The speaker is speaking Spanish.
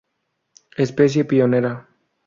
Especie pionera.